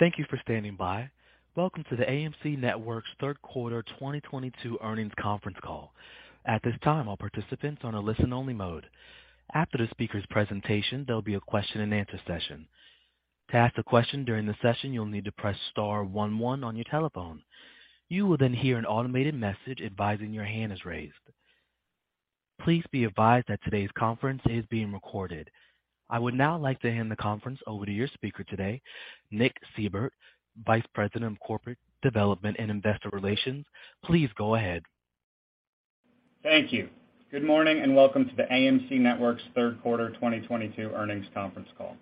Thank you for standing by. Welcome to the AMC Networks third quarter 2022 earnings conference call. At this time, all participants are on a listen only mode. After the speaker's presentation, there'll be a question and answer session. To ask a question during the session, you'll need to press star one one on your telephone. You will then hear an automated message advising your hand is raised. Please be advised that today's conference is being recorded. I would now like to hand the conference over to your speaker today, Nick Seibert, Vice President of Corporate Development and Investor Relations. Please go ahead. Thank you. Good morning, and welcome to the AMC Networks third quarter 2022 earnings conference call.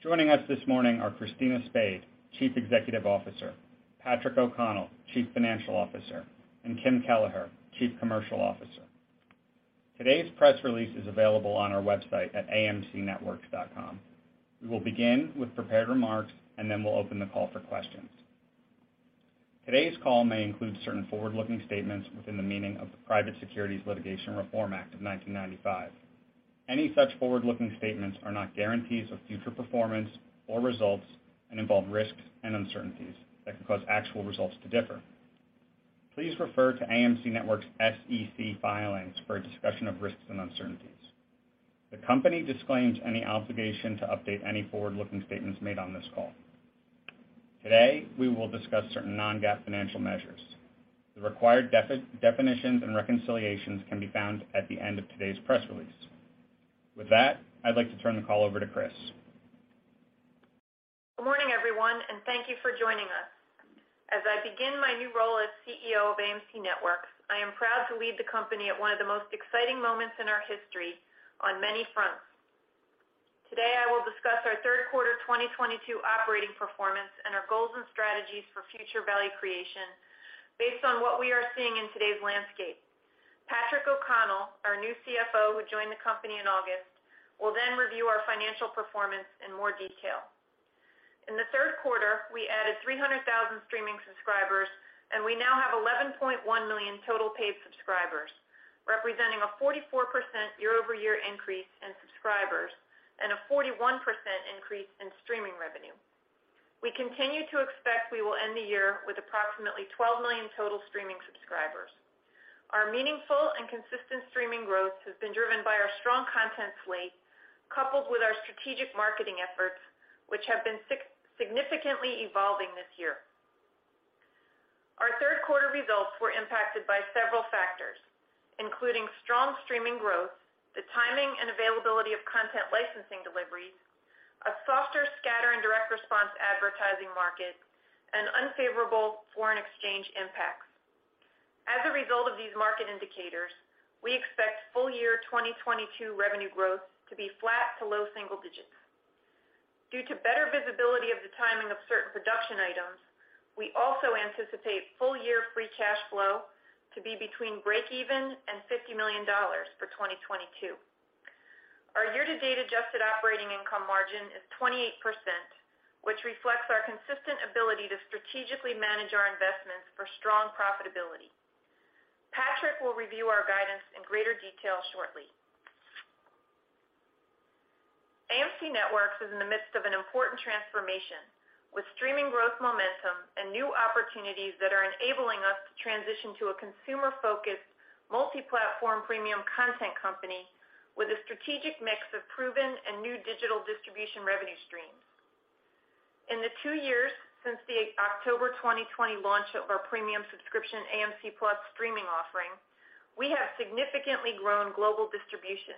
Joining us this morning are Christina Spade, Chief Executive Officer, Patrick O'Connell, Chief Financial Officer, and Kim Kelleher, Chief Commercial Officer. Today's press release is available on our website at amcnetworks.com. We will begin with prepared remarks and then we'll open the call for questions. Today's call may include certain forward-looking statements within the meaning of the Private Securities Litigation Reform Act of 1995. Any such forward-looking statements are not guarantees of future performance or results and involve risks and uncertainties that can cause actual results to differ. Please refer to AMC Networks' SEC filings for a discussion of risks and uncertainties. The company disclaims any obligation to update any forward-looking statements made on this call. Today, we will discuss certain non-GAAP financial measures. The required definitions and reconciliations can be found at the end of today's press release. With that, I'd like to turn the call over to Chris. Good morning, everyone, and thank you for joining us. As I begin my new role as CEO of AMC Networks, I am proud to lead the company at one of the most exciting moments in our history on many fronts. Today, I will discuss our third quarter 2022 operating performance and our goals and strategies for future value creation based on what we are seeing in today's landscape. Patrick O'Connell, our new CFO, who joined the company in August, will then review our financial performance in more detail. In the third quarter, we added 300,000 streaming subscribers, and we now have 11.1 million total paid subscribers, representing a 44% year-over-year increase in subscribers and a 41% increase in streaming revenue. We continue to expect we will end the year with approximately 12 million total streaming subscribers. Our meaningful and consistent streaming growth has been driven by our strong content slate, coupled with our strategic marketing efforts, which have been significantly evolving this year. Our third quarter results were impacted by several factors, including strong streaming growth, the timing and availability of content licensing deliveries, a softer scatter and direct response advertising market, and unfavorable foreign exchange impacts. As a result of these market indicators, we expect full year 2022 revenue growth to be flat to low single digits. Due to better visibility of the timing of certain production items, we also anticipate full year free cash flow to be between breakeven and $50 million for 2022. Our year-to-date adjusted operating income margin is 28%, which reflects our consistent ability to strategically manage our investments for strong profitability. Patrick will review our guidance in greater detail shortly. AMC Networks is in the midst of an important transformation with streaming growth momentum and new opportunities that are enabling us to transition to a consumer-focused, multi-platform premium content company with a strategic mix of proven and new digital distribution revenue streams. In the two years since the October 2020 launch of our premium subscription AMC+ streaming offering, we have significantly grown global distribution.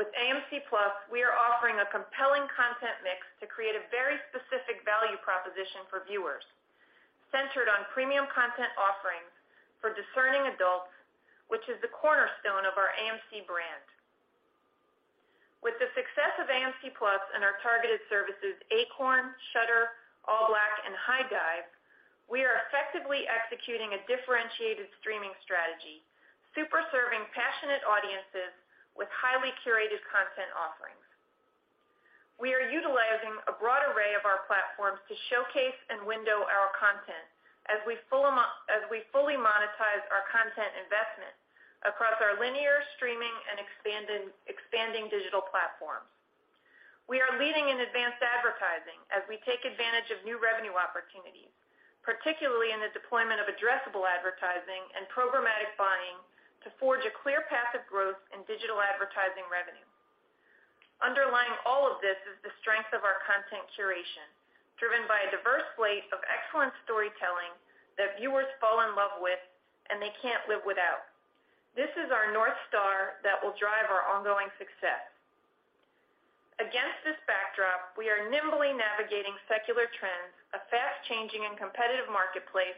With AMC+, we are offering a compelling content mix to create a very specific value proposition for viewers centered on premium content offerings for discerning adults, which is the cornerstone of our AMC brand. With the success of AMC+ and our targeted services, Acorn, Shudder, ALLBLK, and HIDIVE, we are effectively executing a differentiated streaming strategy, super serving passionate audiences with highly curated content offerings. We are utilizing a broad array of our platforms to showcase and window our content as we fully monetize our content investments across our linear streaming and expanding digital platforms. We are leading in advanced advertising as we take advantage of new revenue opportunities, particularly in the deployment of addressable advertising and programmatic buying to forge a clear path of growth in digital advertising revenue. Underlying all of this is the strength of our content curation, driven by a diverse slate of excellent storytelling that viewers fall in love with and they can't live without. This is our North Star that will drive our ongoing success. Against this backdrop, we are nimbly navigating secular trends, a fast-changing and competitive marketplace,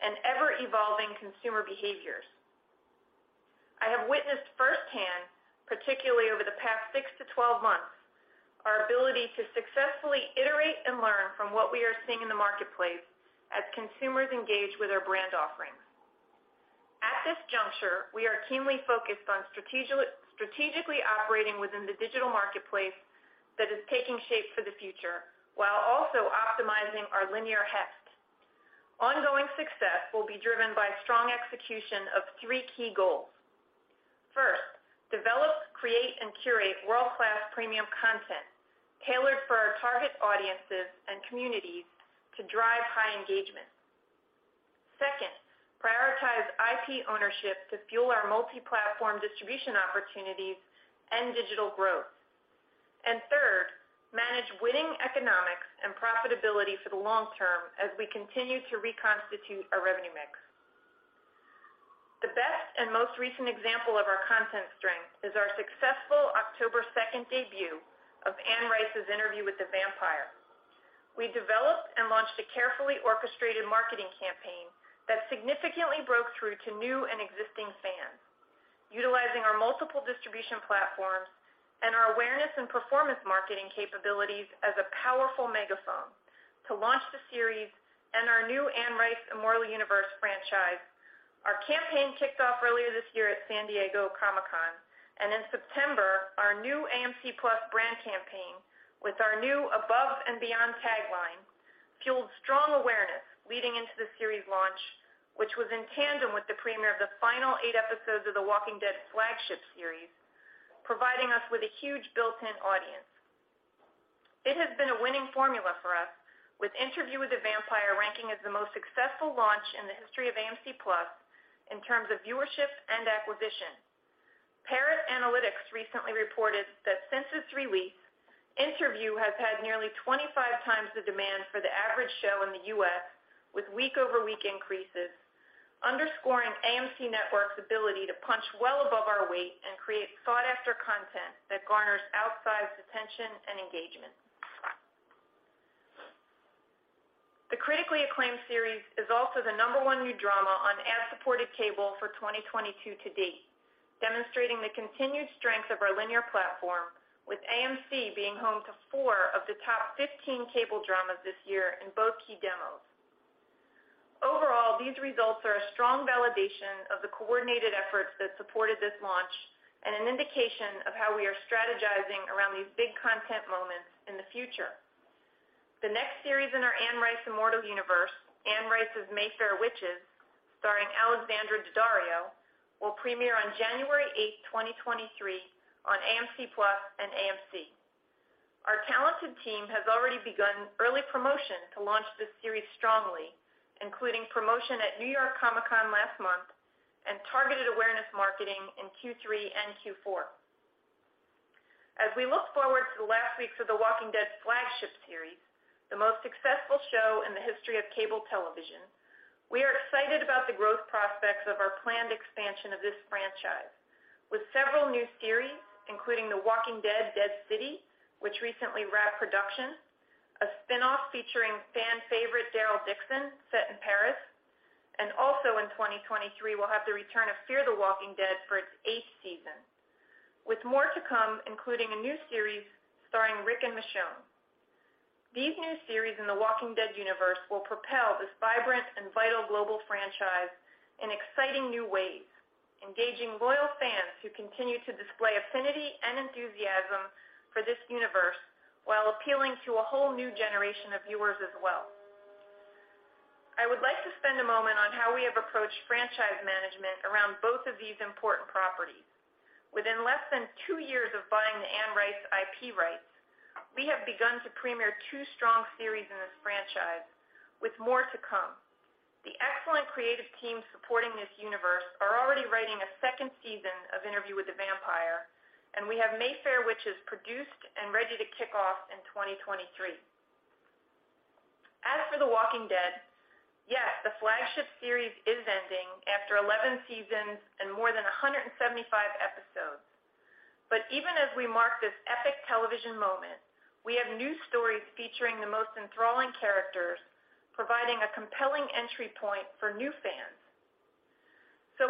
and ever-evolving consumer behaviors. I have witnessed firsthand, particularly over the past six to 12 months, our ability to successfully iterate and learn from what we are seeing in the marketplace as consumers engage with our brand offerings. At this juncture, we are keenly focused on strategically operating within the digital marketplace that is taking shape for the future while also optimizing our linear heft. Ongoing success will be driven by strong execution of three key goals. First, develop, create and curate world-class premium content tailored for our target audiences and communities to drive high engagement. Second, prioritize IP ownership to fuel our multi-platform distribution opportunities and digital growth. And third, manage winning economics and profitability for the long term as we continue to reconstitute our revenue mix. The best and most recent example of our content strength is our successful October 2nd debut of Anne Rice's Interview with the Vampire. We developed and launched a carefully orchestrated marketing campaign that significantly broke through to new and existing fans, utilizing our multiple distribution platforms and our awareness and performance marketing capabilities as a powerful megaphone to launch the series and our new Anne Rice's Immortal Universe franchise. Our campaign kicked off earlier this year at San Diego Comic-Con, and in September, our new AMC+ brand campaign with our new Above and Beyond tagline fueled strong awareness leading into the series launch, which was in tandem with the premiere of the final eight episodes of The Walking Dead flagship series, providing us with a huge built-in audience. It has been a winning formula for us, with Anne Rice's Interview with the Vampire ranking as the most successful launch in the history of AMC+ in terms of viewership and acquisition. Parrot Analytics recently reported that since its release, Interview has had nearly 25 times the demand for the average show in the U.S., with week-over-week increases, underscoring AMC Networks' ability to punch well above our weight and create sought-after content that garners outsized attention and engagement. The critically acclaimed series is also the number one new drama on ad-supported cable for 2022 to date, demonstrating the continued strength of our linear platform, with AMC being home to four of the top 15 cable dramas this year in both key demos. Overall, these results are a strong validation of the coordinated efforts that supported this launch and an indication of how we are strategizing around these big content moments in the future. The next series in our Anne Rice's Immortal Universe, Anne Rice's Mayfair Witches, starring Alexandra Daddario, will premiere on January 8, 2023 on AMC+ and AMC. Our talented team has already begun early promotion to launch this series strongly, including promotion at New York Comic-Con last month and targeted awareness marketing in Q3 and Q4. As we look forward to the last weeks of The Walking Dead flagship series, the most successful show in the history of cable television, we are excited about the growth prospects of our planned expansion of this franchise, with several new series, including The Walking Dead: Dead City, which recently wrapped production, a spin-off featuring fan favorite Daryl Dixon set in Paris. Also in 2023, we'll have the return of Fear the Walking Dead for its eighth season, with more to come, including a new series starring Rick and Michonne. These new series in The Walking Dead universe will propel this vibrant and vital global franchise in exciting new ways, engaging loyal fans who continue to display affinity and enthusiasm for this universe, while appealing to a whole new generation of viewers as well. I would like to spend a moment on how we have approached franchise management around both of these important properties. Within less than two years of buying the Anne Rice IP rights, we have begun to premiere two strong series in this franchise with more to come. The excellent creative team supporting this universe are already writing a second season of Interview with the Vampire, and we have Mayfair Witches produced and ready to kick off in 2023. As for The Walking Dead, yes, the flagship series is ending after 11 seasons and more than 175 episodes. Even as we mark this epic television moment, we have new stories featuring the most enthralling characters, providing a compelling entry point for new fans.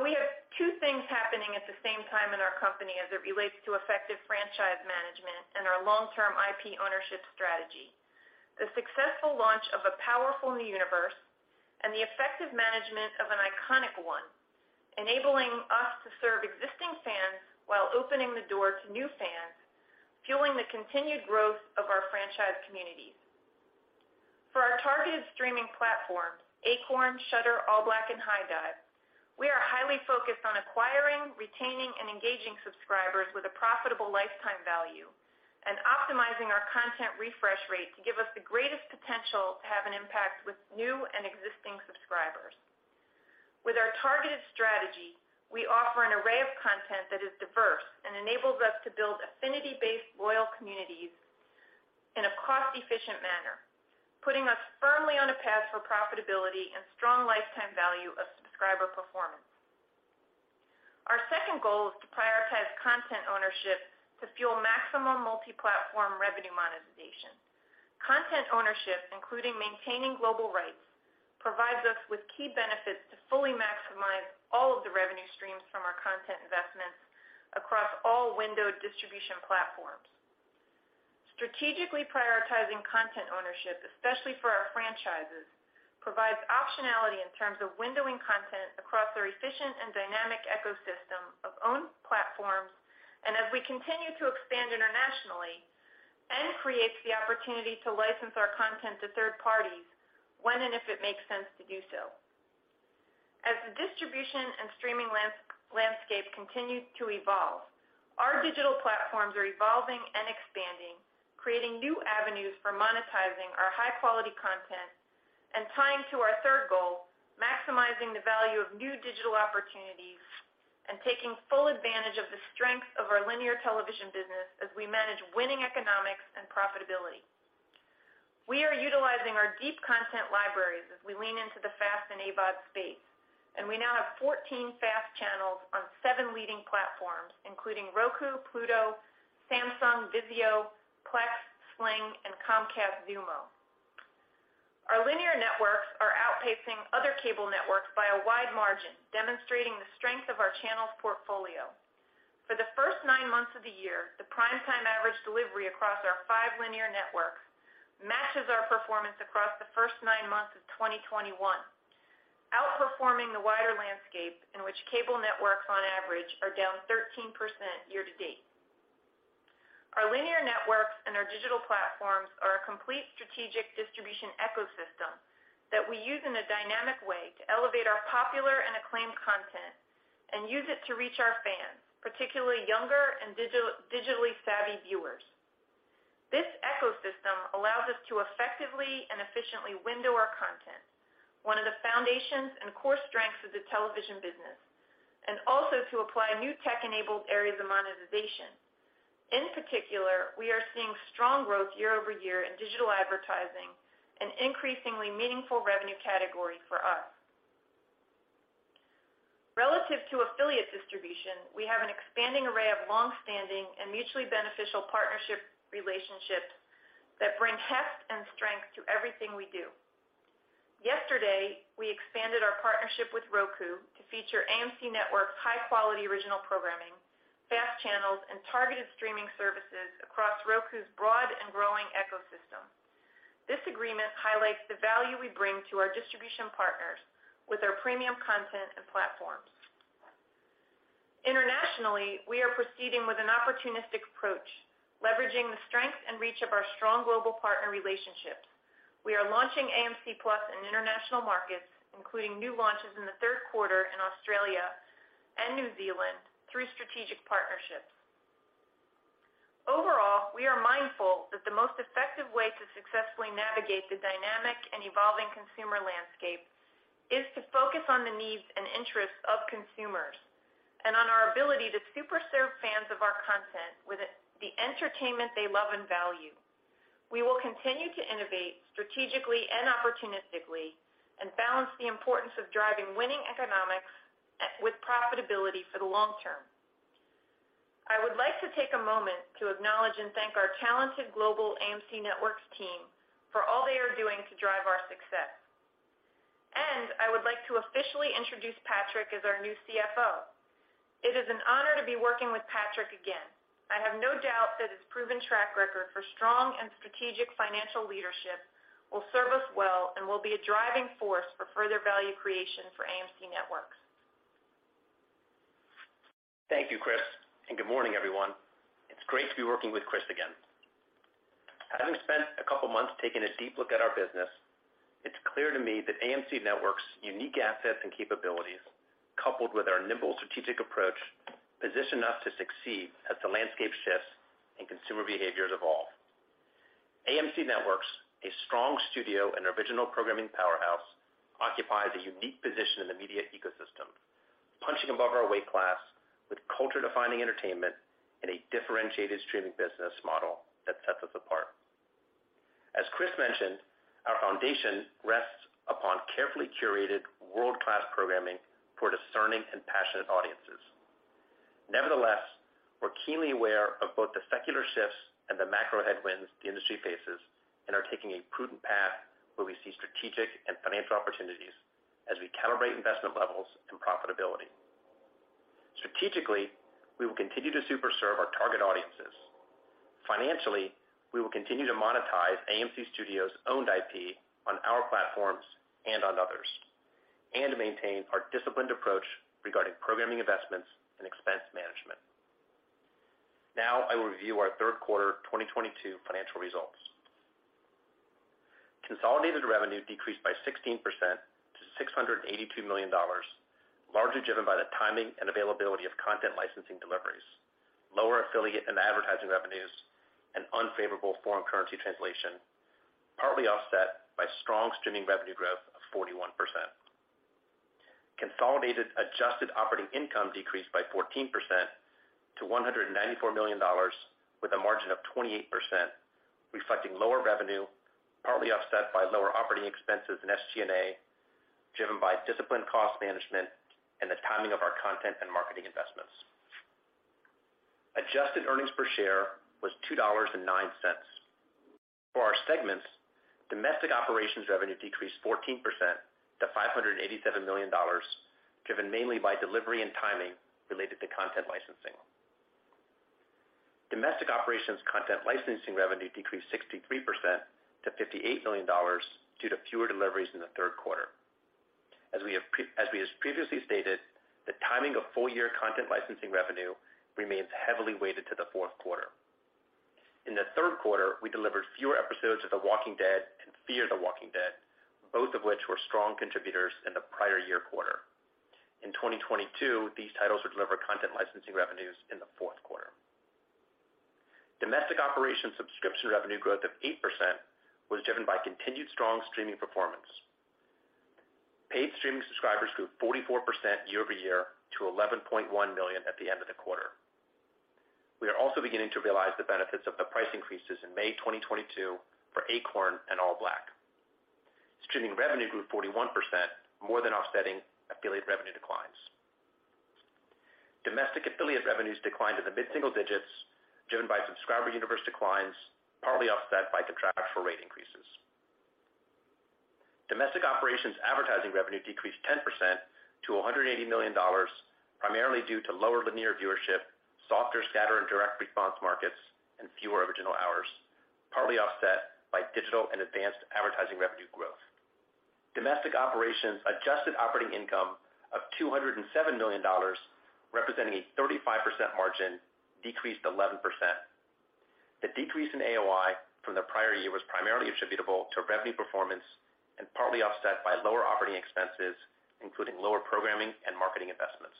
We have two things happening at the same time in our company as it relates to effective franchise management and our long-term IP ownership strategy. The successful launch of a powerful new universe and the effective management of an iconic one, enabling us to serve existing fans while opening the door to new fans, fueling the continued growth of our franchise communities. For our targeted streaming platforms, Acorn, Shudder, ALLBLK and HIDIVE, we are highly focused on acquiring, retaining, and engaging subscribers with a profitable lifetime value and optimizing our content refresh rate to give us the greatest potential to have an impact with new and existing subscribers. With our targeted strategy, we offer an array of content that is diverse and enables us to build affinity-based loyal communities in a cost-efficient manner, putting us firmly on a path for profitability and strong lifetime value of subscriber performance. Our second goal is to prioritize content ownership to fuel maximum multi-platform revenue monetization. Content ownership, including maintaining global rights, provides us with key benefits to fully maximize all of the revenue streams from our content investments across all windowed distribution platforms. Strategically prioritizing content ownership, especially for our franchises, provides optionality in terms of windowing content across our efficient and dynamic ecosystem of owned platforms, as we continue to expand internationally. Creates the opportunity to license our content to third parties when and if it makes sense to do so. As the distribution and streaming landscape continues to evolve, our digital platforms are evolving and expanding, creating new avenues for monetizing our high-quality content and tying to our third goal, maximizing the value of new digital opportunities and taking full advantage of the strength of our linear television business as we manage winning economics and profitability. We are utilizing our deep content libraries as we lean into the FAST and AVOD space, and we now have 14 FAST channels on seven leading platforms, including Roku, Pluto, Samsung, Vizio, Plex, Sling, and Comcast Xumo. Our linear networks are outpacing other cable networks by a wide margin, demonstrating the strength of our channels portfolio. For the first nine months of the year, the primetime average delivery across our five linear networks matches our performance across the first nine months of 2021, outperforming the wider landscape in which cable networks on average are down 13% year-to-date. Our linear networks and our digital platforms are a complete strategic distribution ecosystem that we use in a dynamic way to elevate our popular and acclaimed content and use it to reach our fans, particularly younger and digitally savvy viewers. This ecosystem allows us to effectively and efficiently window our content, one of the foundations and core strengths of the television business, and also to apply new tech-enabled areas of monetization. In particular, we are seeing strong growth year-over-year in digital advertising, an increasingly meaningful revenue category for us. Relative to affiliate distribution, we have an expanding array of longstanding and mutually beneficial partnership relationships that bring best and strength to everything we do. Yesterday, we expanded our partnership with Roku to feature AMC Networks' high-quality original programming, FAST channels, and targeted streaming services across Roku's broad and growing ecosystem. This agreement highlights the value we bring to our distribution partners with our premium content and platforms. Internationally, we are proceeding with an opportunistic approach, leveraging the strength and reach of our strong global partner relationships. We are launching AMC+ in international markets, including new launches in the third quarter in Australia and New Zealand through strategic partnerships. Overall, we are mindful that the most effective way to successfully navigate the dynamic and evolving consumer landscape is to focus on the needs and interests of consumers and on our ability to super serve fans of our content with the entertainment they love and value. We will continue to innovate strategically and opportunistically and balance the importance of driving winning economics with profitability for the long term. I would like to take a moment to acknowledge and thank our talented global AMC Networks team for all they are doing to drive our success. I would like to officially introduce Patrick as our new CFO. It is an honor to be working with Patrick again. I have no doubt that his proven track record for strong and strategic financial leadership will serve us well and will be a driving force for further value creation for AMC Networks. Thank you, Chris, and good morning, everyone. It's great to be working with Chris again. Having spent a couple of months taking a deep look at our business, it's clear to me that AMC Networks' unique assets and capabilities, coupled with our nimble strategic approach, position us to succeed as the landscape shifts and consumer behaviors evolve. AMC Networks, a strong studio and original programming powerhouse, occupies a unique position in the media ecosystem, punching above our weight class with culture-defining entertainment and a differentiated streaming business model that sets us apart. As Chris mentioned, our foundation rests upon carefully curated world-class programming for discerning and passionate audiences. Nevertheless, we're keenly aware of both the secular shifts and the macro headwinds the industry faces and are taking a prudent path where we see strategic and financial opportunities as we calibrate investment levels and profitability. Strategically, we will continue to super serve our target audiences. Financially, we will continue to monetize AMC Studios owned IP on our platforms and on others and maintain our disciplined approach regarding programming investments and expense management. Now I will review our third quarter 2022 financial results. Consolidated revenue decreased by 16% to $682 million, largely driven by the timing and availability of content licensing deliveries, lower affiliate and advertising revenues, and unfavorable foreign currency translation, partly offset by strong streaming revenue growth of 41%. Consolidated adjusted operating income decreased by 14% to $194 million, with a margin of 28%, reflecting lower revenue, partly offset by lower operating expenses and SG&A, driven by disciplined cost management and the timing of our content and marketing investments. Adjusted earnings per share was $2.09. For our segments, domestic operations revenue decreased 14% to $587 million, driven mainly by delivery and timing related to content licensing. Domestic operations content licensing revenue decreased 63% to $58 million due to fewer deliveries in the third quarter. As we have previously stated, the timing of full-year content licensing revenue remains heavily weighted to the fourth quarter. In the third quarter, we delivered fewer episodes of The Walking Dead and Fear the Walking Dead, both of which were strong contributors in the prior year quarter. In 2022, these titles will deliver content licensing revenues in the fourth quarter. Domestic operations subscription revenue growth of 8% was driven by continued strong streaming performance. Paid streaming subscribers grew 44% year-over-year to 11.1 million at the end of the quarter. We are also beginning to realize the benefits of the price increases in May 2022 for Acorn and ALLBLK. Streaming revenue grew 41%, more than offsetting affiliate revenue declines. Domestic affiliate revenues declined in the mid-single digits, driven by subscriber universe declines, partly offset by contractual rate increases. Domestic operations advertising revenue decreased 10% to $180 million, primarily due to lower linear viewership, softer scatter and direct response markets, and fewer original hours, partly offset by digital and advanced advertising revenue growth. Domestic operations adjusted operating income of $207 million, representing a 35% margin, decreased 11%. The decrease in AOI from the prior year was primarily attributable to revenue performance and partly offset by lower operating expenses, including lower programming and marketing investments.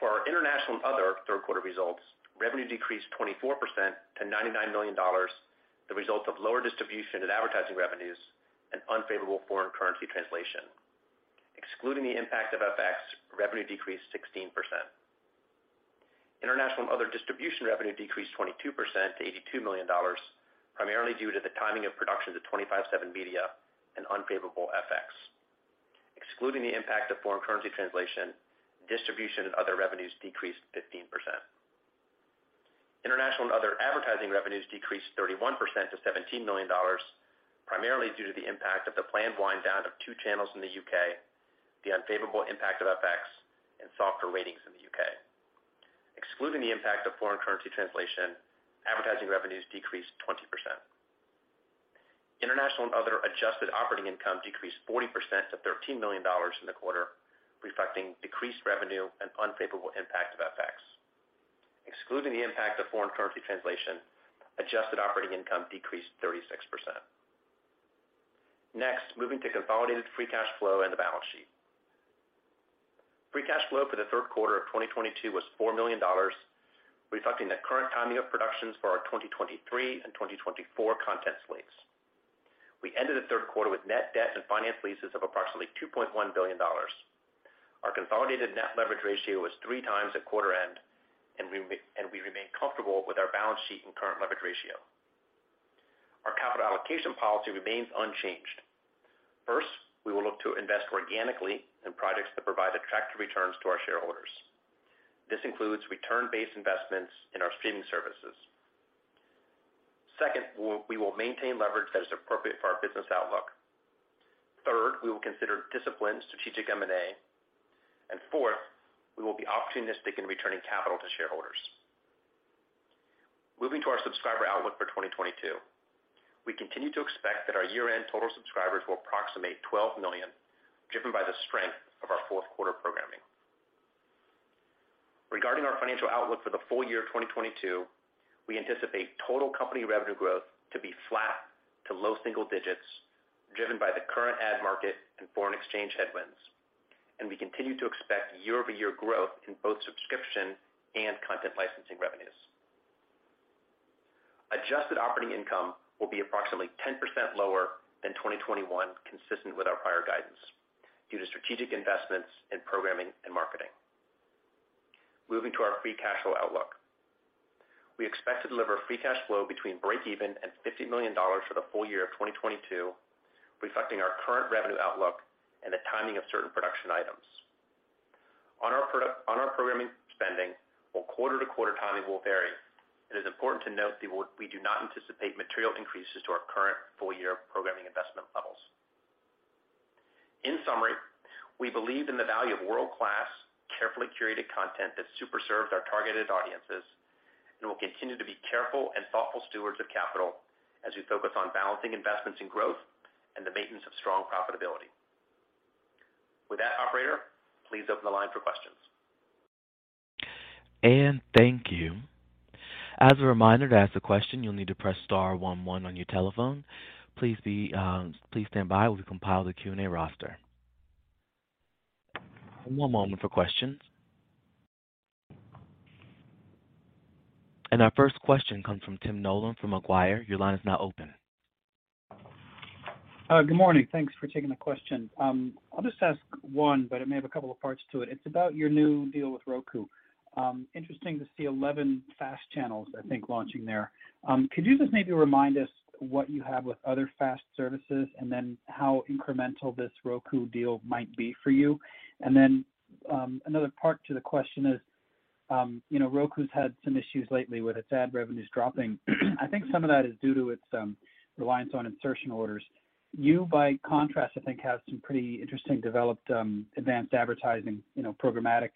For our international and other third quarter results, revenue decreased 24% to $99 million, the result of lower distribution and advertising revenues and unfavorable foreign currency translation. Excluding the impact of FX, revenue decreased 16%. International and other distribution revenue decreased 22% to $82 million, primarily due to the timing of productions of 25/7 Media and unfavorable FX. Excluding the impact of foreign currency translation, distribution and other revenues decreased 15%. International and other advertising revenues decreased 31% to $17 million, primarily due to the impact of the planned wind down of two channels in the U.K., the unfavorable impact of FX and softer ratings in the U.K. Excluding the impact of foreign currency translation, advertising revenues decreased 20%. International and other adjusted operating income decreased 40% to $13 million in the quarter, reflecting decreased revenue and unfavorable impact of FX. Excluding the impact of foreign currency translation, adjusted operating income decreased 36%. Next, moving to consolidated free cash flow and the balance sheet. Free cash flow for the third quarter of 2022 was $4 million, reflecting the current timing of productions for our 2023 and 2024 content slates. We ended the third quarter with net debt and finance leases of approximately $2.1 billion. Our consolidated net leverage ratio was 3x at quarter end, and we remain comfortable with our balance sheet and current leverage ratio. Our capital allocation policy remains unchanged. First, we will look to invest organically in projects that provide attractive returns to our shareholders. This includes return-based investments in our streaming services. Second, we will maintain leverage that is appropriate for our business outlook. Third, we will consider disciplined strategic M&A. Fourth, we will be opportunistic in returning capital to shareholders. Moving to our subscriber outlook for 2022. We continue to expect that our year-end total subscribers will approximate 12 million, driven by the strength of our fourth quarter programming. Regarding our financial outlook for the full year of 2022, we anticipate total company revenue growth to be flat to low single digits, driven by the current ad market and foreign exchange headwinds. We continue to expect year-over-year growth in both subscription and content licensing revenues. Adjusted operating income will be approximately 10% lower than 2021, consistent with our prior guidance due to strategic investments in programming and marketing. Moving to our free cash flow outlook. We expect to deliver free cash flow between breakeven and $50 million for the full year of 2022, reflecting our current revenue outlook and the timing of certain production items. On our programming spending, while quarter-to-quarter timing will vary, it is important to note that we do not anticipate material increases to our current full-year programming investment levels. In summary, we believe in the value of world-class, carefully curated content that super serves our targeted audiences and will continue to be careful and thoughtful stewards of capital as we focus on balancing investments in growth and the maintenance of strong profitability. With that, operator, please open the line for questions. Thank you. As a reminder, to ask a question, you'll need to press star one one on your telephone. Please stand by while we compile the Q&A roster. One moment for questions. Our first question comes from Tim Nollen from Macquarie. Your line is now open. Good morning. Thanks for taking the question. I'll just ask one, but it may have a couple of parts to it. It's about your new deal with Roku. Interesting to see 11 FAST channels, I think, launching there. Could you just maybe remind us what you have with other FAST services and then how incremental this Roku deal might be for you? Another part to the question is, you know, Roku's had some issues lately with its ad revenues dropping. I think some of that is due to its reliance on insertion orders. You, by contrast, I think, have some pretty interesting developed advanced advertising, you know, programmatic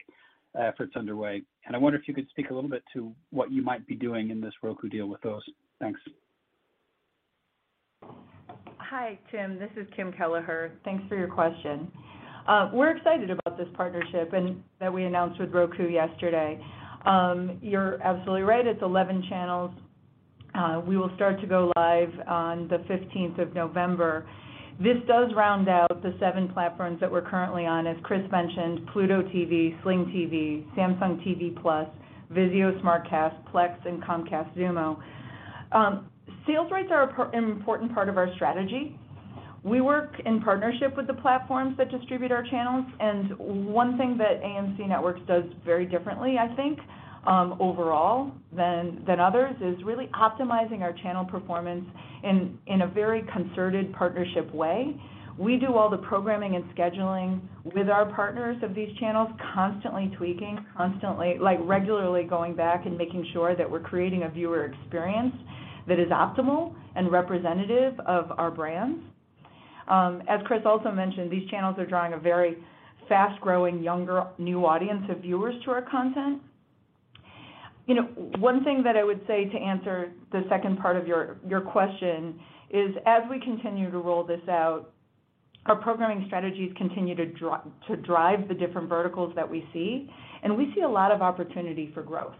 efforts underway. I wonder if you could speak a little bit to what you might be doing in this Roku deal with those. Thanks. Hi, Tim. This is Kim Kelleher. Thanks for your question. We're excited about this partnership that we announced with Roku yesterday. You're absolutely right, it's 11 channels. We will start to go live on the 15th of November. This does round out the seven platforms that we're currently on, as Chris mentioned, Pluto TV, Sling TV, Samsung TV Plus, Vizio SmartCast, Plex, and Comcast Xumo. Sales rights are an important part of our strategy. We work in partnership with the platforms that distribute our channels, and one thing that AMC Networks does very differently, I think, overall than others, is really optimizing our channel performance in a very concerted partnership way. We do all the programming and scheduling with our partners of these channels, constantly tweaking, like, regularly going back and making sure that we're creating a viewer experience that is optimal and representative of our brands. As Chris also mentioned, these channels are drawing a very fast-growing, younger, new audience of viewers to our content. You know, one thing that I would say to answer the second part of your question is as we continue to roll this out, our programming strategies continue to drive the different verticals that we see, and we see a lot of opportunity for growth.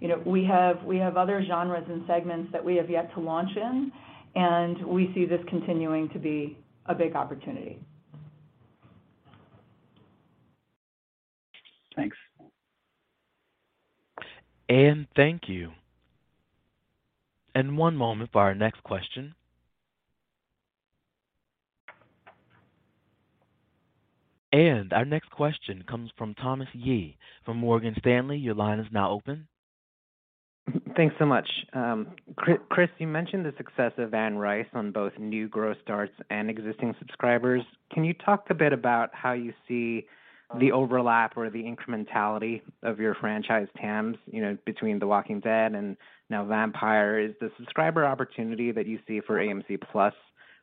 You know, we have other genres and segments that we have yet to launch in, and we see this continuing to be a big opportunity. Thanks. Thank you. One moment for our next question. Our next question comes from Thomas Yeh from Morgan Stanley. Your line is now open. Thanks so much. Chris, you mentioned the success of Anne Rice on both new growth starts and existing subscribers. Can you talk a bit about how you see the overlap or the incrementality of your franchise TAMs, you know, between The Walking Dead and now Vampire? Is the subscriber opportunity that you see for AMC+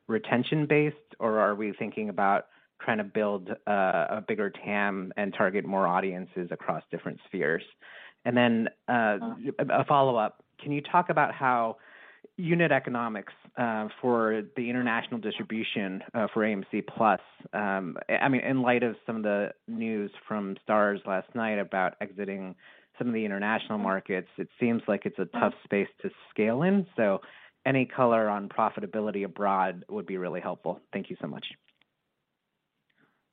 retention-based, or are we thinking about trying to build a bigger TAM and target more audiences across different spheres? A follow-up. Can you talk about how unit economics for the international distribution for AMC+, I mean, in light of some of the news from Starz last night about exiting some of the international markets, it seems like it's a tough space to scale in. So any color on profitability abroad would be really helpful. Thank you so much.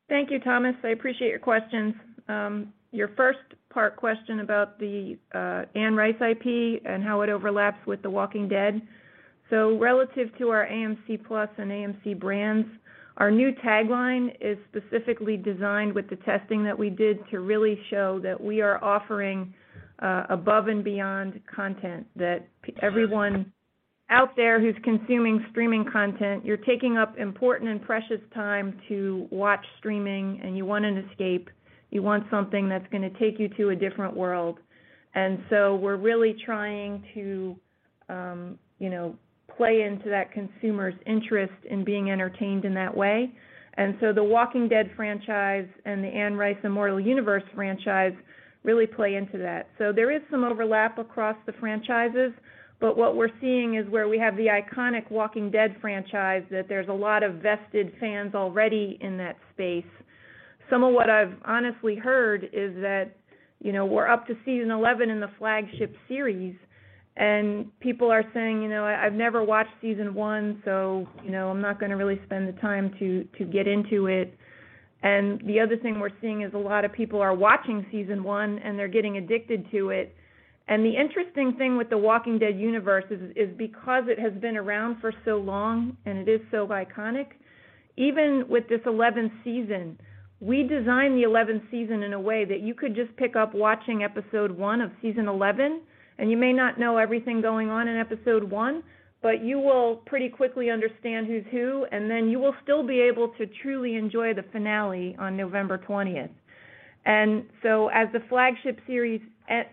Thank you, Thomas. I appreciate your questions. Your first part question about the Anne Rice IP and how it overlaps with The Walking Dead. Relative to our AMC+ and AMC brands, our new tagline is specifically designed with the testing that we did to really show that we are offering Above and Beyond content that everyone out there who's consuming streaming content, you're taking up important and precious time to watch streaming, and you want an escape. You want something that's gonna take you to a different world. We're really trying to play into that consumer's interest in being entertained in that way. The Walking Dead franchise and the Anne Rice's Immortal Universe franchise really play into that. There is some overlap across the franchises, but what we're seeing is where we have the iconic The Walking Dead franchise, that there's a lot of invested fans already in that space. Some of what I've honestly heard is that, you know, we're up to season 11 in the flagship series, and people are saying, "You know what? I've never watched season one, so, you know, I'm not gonna really spend the time to get into it." The other thing we're seeing is a lot of people are watching season one, and they're getting addicted to it. The interesting thing with The Walking Dead universe is because it has been around for so long and it is so iconic, even with this 11th season, we designed the eleventh season in a way that you could just pick up watching episode one of season 11, and you may not know everything going on in episode one, but you will pretty quickly understand who's who, and then you will still be able to truly enjoy the finale on November 20th. As the flagship series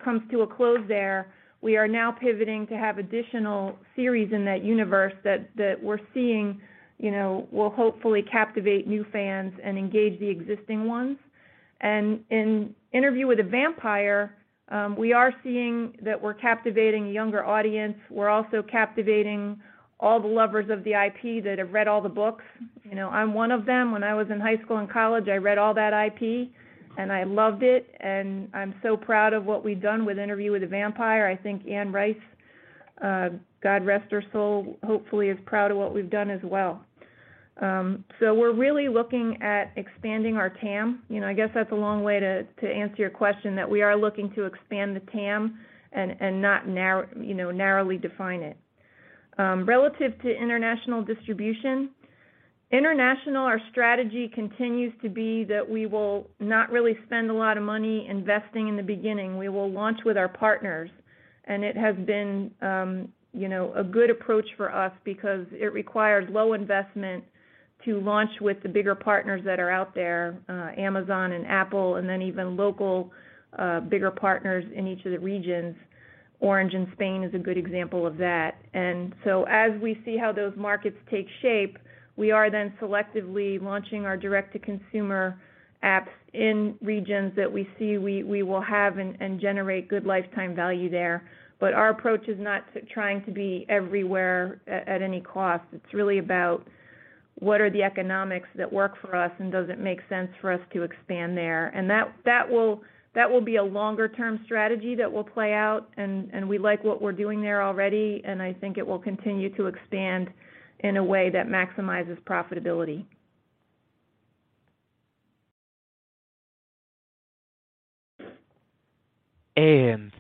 comes to a close there, we are now pivoting to have additional series in that universe that we're seeing, you know, will hopefully captivate new fans and engage the existing ones. In Interview with the Vampire, we are seeing that we're captivating a younger audience. We're also captivating all the lovers of the IP that have read all the books. You know, I'm one of them. When I was in high school and college, I read all that IP, and I loved it, and I'm so proud of what we've done with Interview with the Vampire. I think Anne Rice, God rest her soul, hopefully is proud of what we've done as well. We're really looking at expanding our TAM. You know, I guess that's a long way to answer your question, that we are looking to expand the TAM and not narrowly define it. Relative to international distribution, our strategy continues to be that we will not really spend a lot of money investing in the beginning. We will launch with our partners, and it has been, you know, a good approach for us because it requires low investment to launch with the bigger partners that are out there, Amazon and Apple, and then even local, bigger partners in each of the regions. Orange in Spain is a good example of that. As we see how those markets take shape, we are then selectively launching our direct-to-consumer apps in regions that we see we will have and generate good lifetime value there. But our approach is not trying to be everywhere at any cost. It's really about what are the economics that work for us and does it make sense for us to expand there? That will be a longer-term strategy that will play out, and we like what we're doing there already, and I think it will continue to expand in a way that maximizes profitability.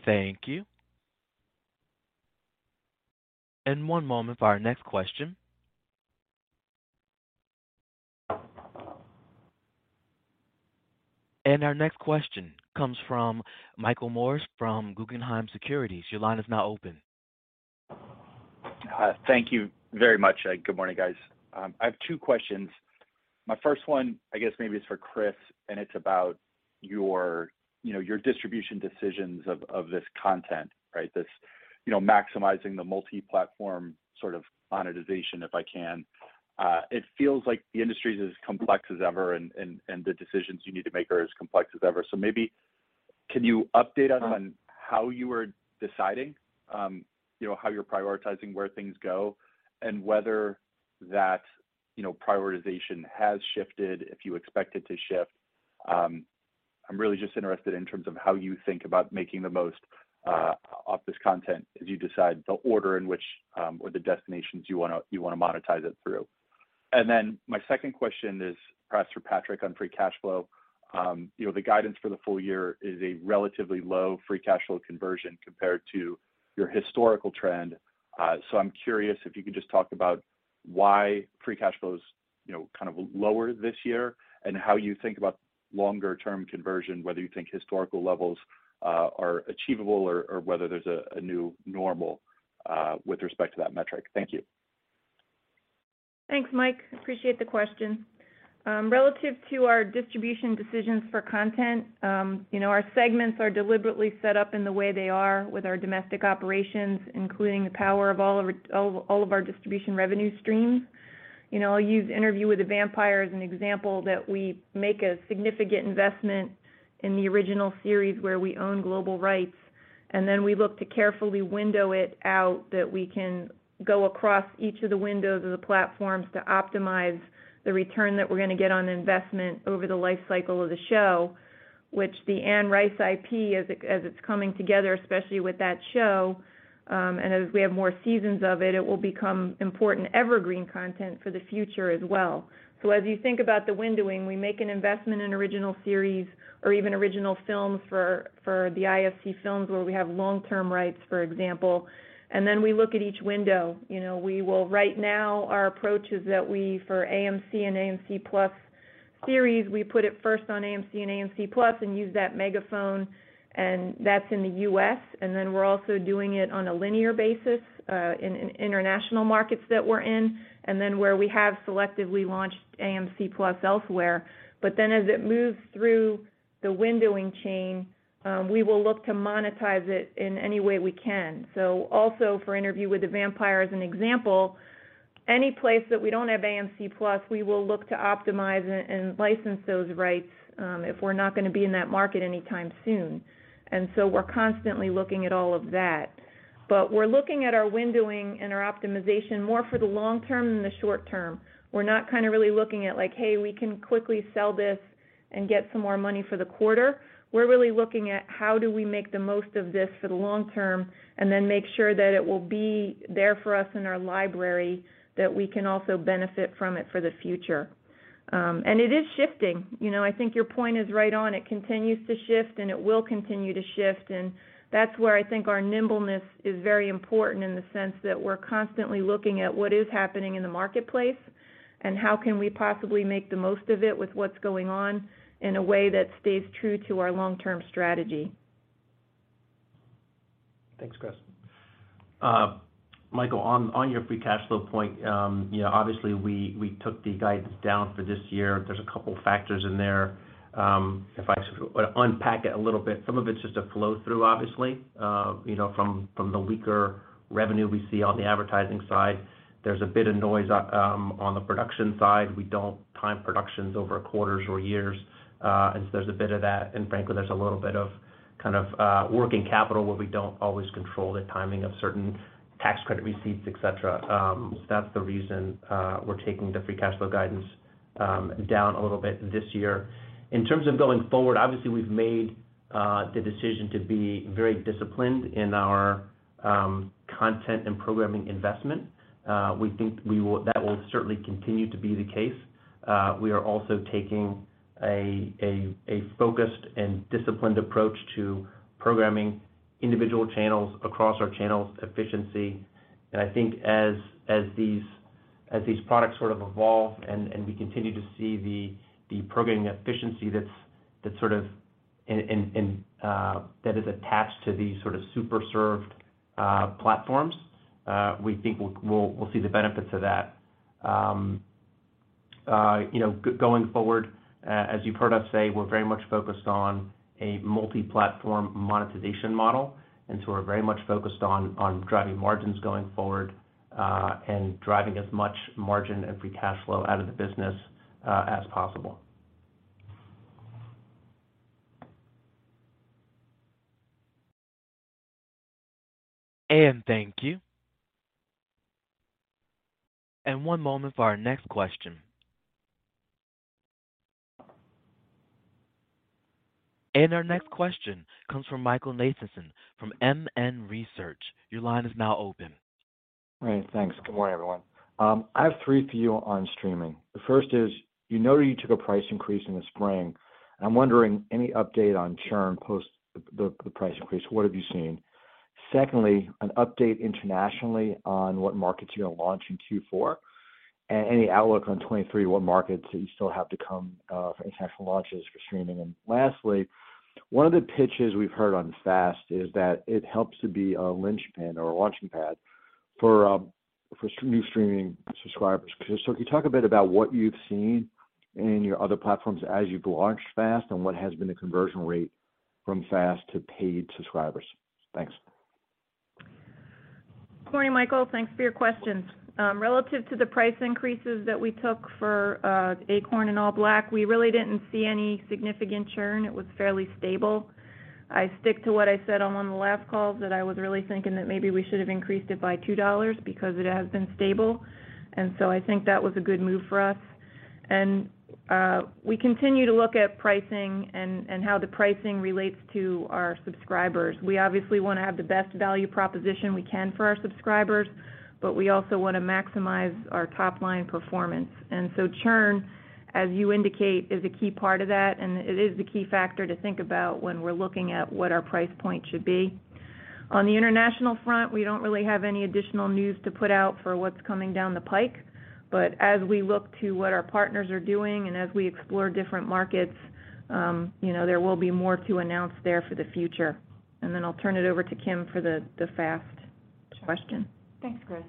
Thank you. One moment for our next question. Our next question comes from Michael Morris from Guggenheim Securities. Your line is now open. Hi. Thank you very much. Good morning, guys. I have two questions. My first one, I guess maybe it's for Chris, and it's about your, you know, your distribution decisions of this content, right? This, you know, maximizing the multi-platform sort of monetization, if I can. It feels like the industry is as complex as ever and the decisions you need to make are as complex as ever. Maybe can you update us on how you are deciding, you know, how you're prioritizing where things go and whether that, you know, prioritization has shifted, if you expect it to shift? I'm really just interested in terms of how you think about making the most off this content as you decide the order in which, or the destinations you wanna monetize it through. My second question is perhaps for Patrick on free cash flow. You know, the guidance for the full year is a relatively low free cash flow conversion compared to your historical trend. So I'm curious if you could just talk about why free cash flow is, you know, kind of lower this year and how you think about longer term conversion, whether you think historical levels are achievable or whether there's a new normal with respect to that metric. Thank you. Thanks, Mike. Appreciate the question. Relative to our distribution decisions for content, you know, our segments are deliberately set up in the way they are with our domestic operations, including the power of all of our distribution revenue streams. You know, I'll use Interview with the Vampire as an example that we make a significant investment in the original series where we own global rights, and then we look to carefully window it out that we can go across each of the windows of the platforms to optimize the return that we're gonna get on investment over the life cycle of the show, which the Anne Rice IP, as it's coming together, especially with that show, and as we have more seasons of it will become important evergreen content for the future as well. As you think about the windowing, we make an investment in original series or even original films for the IFC Films where we have long-term rights, for example. We look at each window. You know, right now, our approach is that we, for AMC and AMC+ series, we put it first on AMC and AMC+ and use that megaphone, and that's in the U.S. We're also doing it on a linear basis in international markets that we're in. Where we have selectively launched AMC+ elsewhere. As it moves through the windowing chain, we will look to monetize it in any way we can. Also for Interview with the Vampire as an example, any place that we don't have AMC+, we will look to optimize and license those rights, if we're not gonna be in that market anytime soon. We're constantly looking at all of that. We're looking at our windowing and our optimization more for the long term than the short term. We're not kind of really looking at like, "Hey, we can quickly sell this and get some more money for the quarter." We're really looking at how do we make the most of this for the long term and then make sure that it will be there for us in our library that we can also benefit from it for the future. It is shifting. You know, I think your point is right on. It continues to shift, and it will continue to shift. That's where I think our nimbleness is very important in the sense that we're constantly looking at what is happening in the marketplace and how can we possibly make the most of it with what's going on in a way that stays true to our long-term strategy. Thanks, Chris. Michael, on your free cash flow point, you know, obviously, we took the guidance down for this year. There's a couple factors in there. If I sort of unpack it a little bit, some of it's just a flow through, obviously, you know, from the weaker revenue we see on the advertising side. There's a bit of noise on the production side. We don't time productions over quarters or years. There's a bit of that. Frankly, there's a little bit of kind of working capital where we don't always control the timing of certain tax credit receipts, et cetera. That's the reason we're taking the free cash flow guidance down a little bit this year. In terms of going forward, obviously, we've made the decision to be very disciplined in our content and programming investment. We think that will certainly continue to be the case. We are also taking a focused and disciplined approach to programming individual channels across our channels efficiency. I think as these products sort of evolve and we continue to see the programming efficiency that's sort of, that is, attached to these sort of super served platforms, we think we'll see the benefits of that. You know, going forward, as you've heard us say, we're very much focused on a multi-platform monetization model. We're very much focused on driving margins going forward, and driving as much margin and free cash flow out of the business as possible. Thank you. One moment for our next question. Our next question comes from Michael Nathanson from MN Research. Your line is now open. Great. Thanks. Good morning, everyone. I have three for you on streaming. The first is, you know you took a price increase in the spring, and I'm wondering any update on churn post the price increase. What have you seen? Secondly, an update internationally on what markets you're launching Q4, and any outlook on 2023, what markets you still have to come, for international launches for streaming. Lastly, one of the pitches we've heard on FAST is that it helps to be a linchpin or a launching pad for new streaming subscribers. So can you talk a bit about what you've seen in your other platforms as you've launched FAST and what has been the conversion rate from FAST to paid subscribers? Thanks. Good morning, Michael. Thanks for your questions. Relative to the price increases that we took for Acorn and ALLBLK, we really didn't see any significant churn. It was fairly stable. I stick to what I said on one of the last calls that I was really thinking that maybe we should have increased it by $2 because it has been stable. I think that was a good move for us. We continue to look at pricing and how the pricing relates to our subscribers. We obviously wanna have the best value proposition we can for our subscribers, but we also wanna maximize our top line performance. Churn, as you indicate, is a key part of that, and it is the key factor to think about when we're looking at what our price point should be. On the international front, we don't really have any additional news to put out for what's coming down the pike. As we look to what our partners are doing and as we explore different markets, you know, there will be more to announce there for the future. Then I'll turn it over to Kim for the FAST question. Thanks, Chris.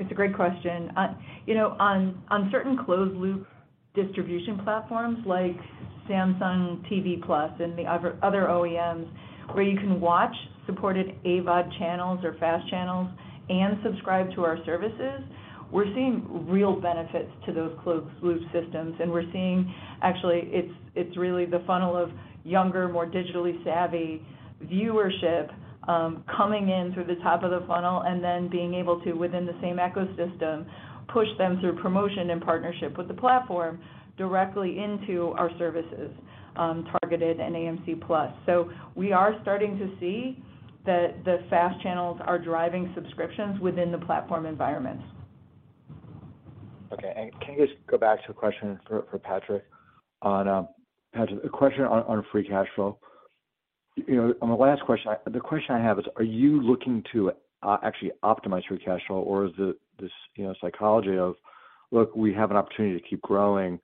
It's a great question. You know, on certain closed loop distribution platforms like Samsung TV Plus and the other OEMs, where you can watch supported AVOD channels or FAST channels and subscribe to our services, we're seeing real benefits to those closed loop systems. We're seeing actually it's really the funnel of younger, more digitally savvy viewership, coming in through the top of the funnel and then being able to, within the same ecosystem, push them through promotion and partnership with the platform directly into our services, targeted and AMC+. We are starting to see that the FAST channels are driving subscriptions within the platform environments. Okay. Can you just go back to a question for Patrick on free cash flow? You know, on the last question, the question I have is, are you looking to actually optimize free cash flow, or is it this, you know, psychology of, look, we have an opportunity to keep growing?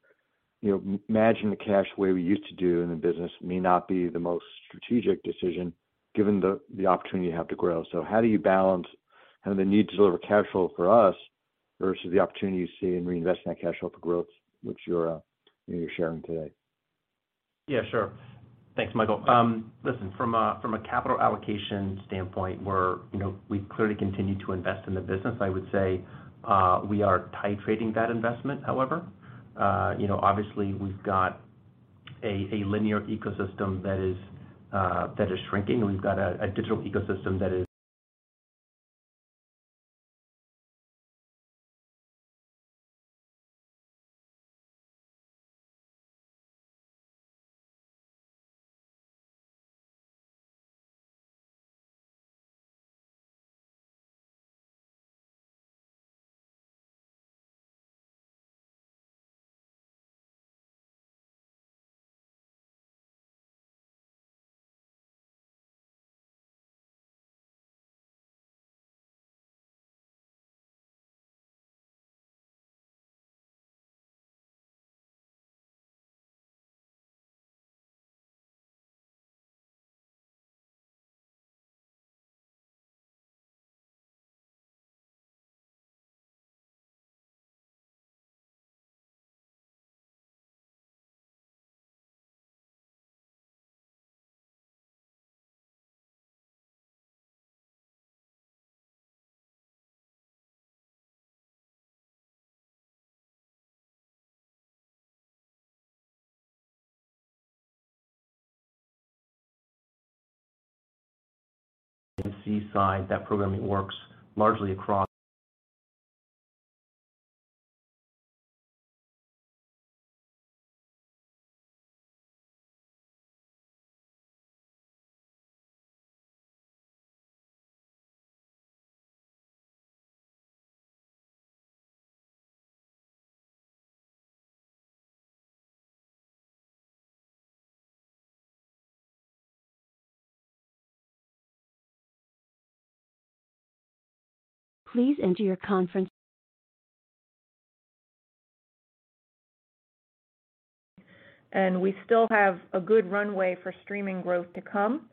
You know, managing the cash the way we used to do in the business may not be the most strategic decision given the opportunity you have to grow. How do you balance kind of the need to deliver cash flow for us versus the opportunity you see in reinvesting that cash flow for growth, which you're sharing today? Yeah, sure. Thanks, Michael. Listen, from a capital allocation standpoint, we're, you know, we've clearly continued to invest in the business. I would say, we are titrating that investment, however. You know, obviously we've got a linear ecosystem that is shrinking, and we've got a digital ecosystem that is AMC side, that programming works largely across. We still have a good runway for streaming growth to come.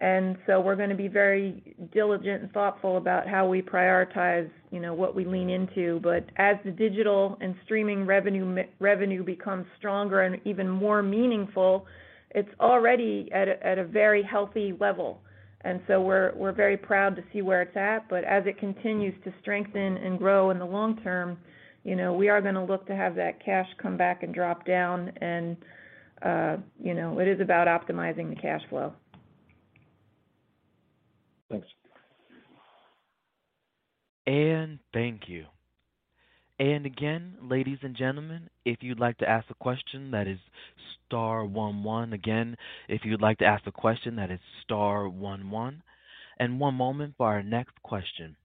We're gonna be very diligent and thoughtful about how we prioritize, you know, what we lean into. As the digital and streaming revenue becomes stronger and even more meaningful, it's already at a very healthy level. We're very proud to see where it's at. As it continues to strengthen and grow in the long term, you know, we are gonna look to have that cash come back and drop down and, you know, it is about optimizing the cash flow. Thanks. Thank you. Again, ladies and gentlemen, if you'd like to ask a question, that is star one one. One moment for our next question.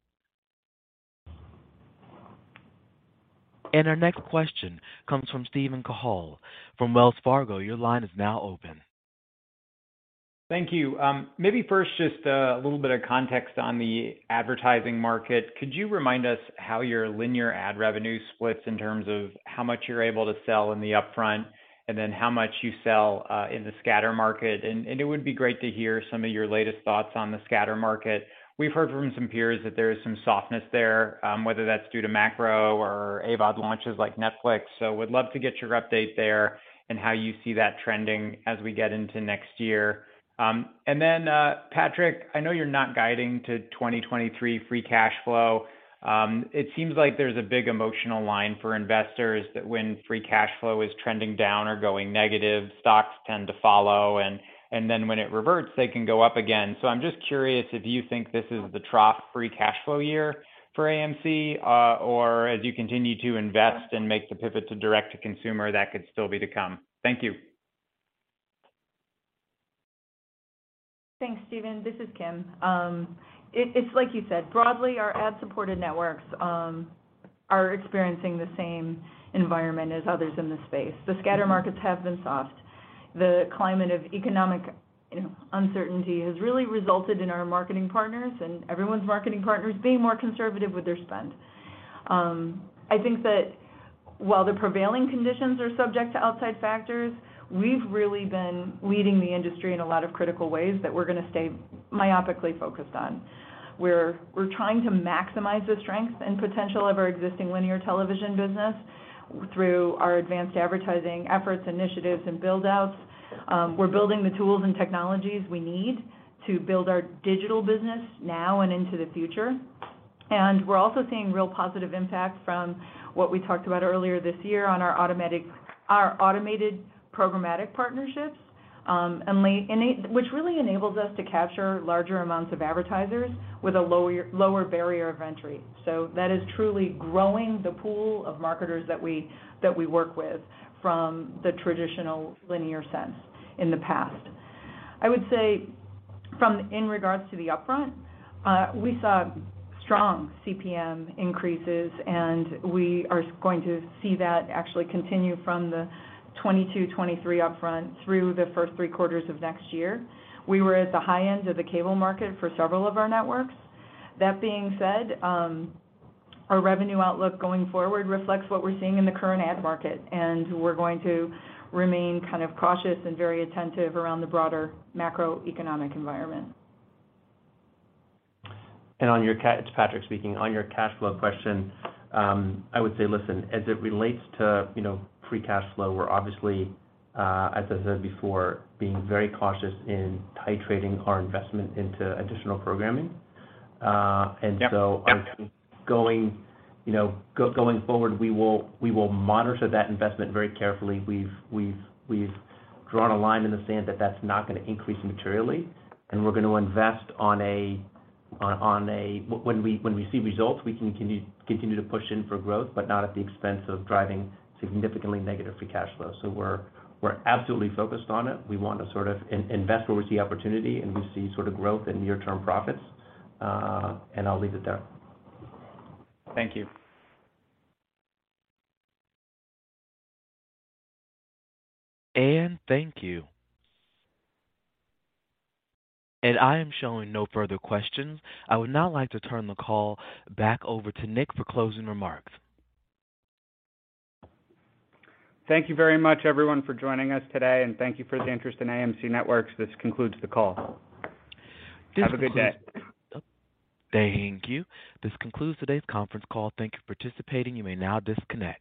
Our next question comes from Steven Cahall from Wells Fargo. Your line is now open. Thank you. Maybe first, just a little bit of context on the advertising market. Could you remind us how your linear ad revenue splits in terms of how much you're able to sell in the upfront and then how much you sell in the scatter market? And it would be great to hear some of your latest thoughts on the scatter market. We've heard from some peers that there is some softness there, whether that's due to macro or AVOD launches like Netflix. Would love to get your update there and how you see that trending as we get into next year. Then, Patrick, I know you're not guiding to 2023 free cash flow. It seems like there's a big emotional line for investors that when free cash flow is trending down or going negative, stocks tend to follow, and then when it reverts, they can go up again. I'm just curious if you think this is the trough free cash flow year for AMC, or as you continue to invest and make the pivot to direct to consumer, that could still be to come. Thank you. Thanks, Steven. This is Kim. It's like you said, broadly, our ad-supported networks are experiencing the same environment as others in the space. The scatter markets have been soft. The climate of economic, you know, uncertainty has really resulted in our marketing partners and everyone's marketing partners being more conservative with their spend. I think that while the prevailing conditions are subject to outside factors, we've really been leading the industry in a lot of critical ways that we're gonna stay myopically focused on. We're trying to maximize the strength and potential of our existing linear television business through our advanced advertising efforts, initiatives and build-outs. We're building the tools and technologies we need to build our digital business now and into the future. We're also seeing real positive impact from what we talked about earlier this year on our automated programmatic partnerships, which really enables us to capture larger amounts of advertisers with a lower barrier of entry. That is truly growing the pool of marketers that we work with from the traditional linear sense in the past. I would say in regards to the upfront, we saw strong CPM increases, and we are going to see that actually continue from the 2022, 2023 upfront through the first three quarters of next year. We were at the high end of the cable market for several of our networks. That being said, our revenue outlook going forward reflects what we're seeing in the current ad market, and we're going to remain kind of cautious and very attentive around the broader macroeconomic environment. On your call, it's Patrick speaking. On your cash flow question, I would say, listen, as it relates to, you know, free cash flow, we're obviously, as I said before, being very cautious in titrating our investment into additional programming. Yep. Yep. Going forward, we will monitor that investment very carefully. We've drawn a line in the sand that that's not gonna increase materially, and we're gonna invest when we see results. We can continue to push in for growth, but not at the expense of driving significantly negative free cash flow. We're absolutely focused on it. We want to sort of invest where we see opportunity, and we see sort of growth in near term profits. I'll leave it there. Thank you. Thank you. I am showing no further questions. I would now like to turn the call back over to Nick for closing remarks. Thank you very much, everyone, for joining us today, and thank you for the interest in AMC Networks. This concludes the call. Have a good day. Thank you. This concludes today's conference call. Thank you for participating. You may now disconnect.